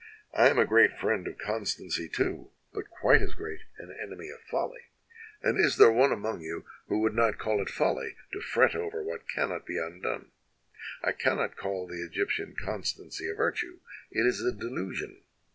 I am a great friend of constancy, 195 EGYPT too, but quite as great an enemy of folly, and is there one among you who would not call it folly to fret over what cannot be undone? I cannot call the Eg>Tptian con stancy a virtue, it is a delusion.